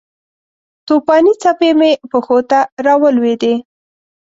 توپانې څپې مې پښو ته راولویدې